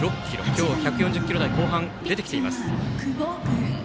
今日は１４０キロ台後半が出てきています。